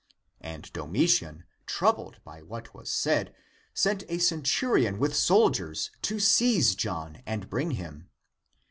And Domitian, troubled by what was said, sent a centu rion with soldiers to seize John and bring him.